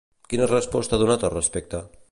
Quina resposta ha donat al respecte?